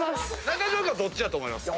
中島君はどっちやと思います？